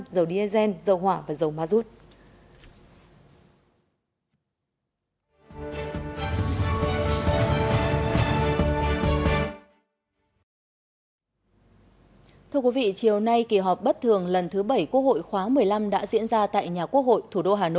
dầu diazen dầu hỏa và dầu ma rút